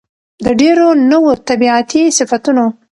د ډېرو نوو طبيعتي صفتونو